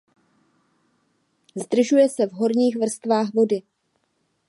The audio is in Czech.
Zdržuje se v horních vrstvách vody.